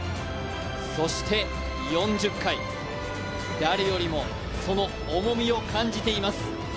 そして４０回、誰よりもその重みを感じています。